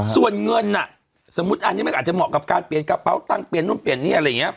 ส่วนเงินสมมุติอันนี้มันอาจจะเหมาะกับการเปลี่ยนกระเป๋าตังค์เปลี่ยนนู่นเปลี่ยนนี่อะไรอย่างนี้